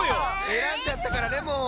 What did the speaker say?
えらんじゃったからねもう。